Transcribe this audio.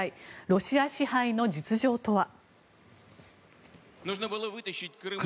ロシア支配の実情とは。